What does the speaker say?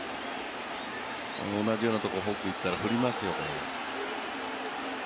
同じようなところにフォークがいったら振りますよ。